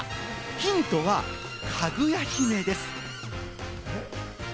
ヒントは、かぐや姫です。